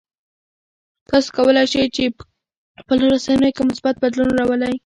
تاسو کولای شئ چې په خپلو رسنیو کې مثبت بدلون راولئ.